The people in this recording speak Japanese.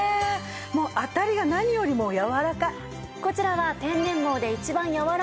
もう当たりが何よりもやわらかい。